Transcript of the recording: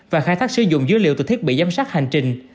và khai thác sử dụng dữ liệu từ thiết bị giám sát hành trình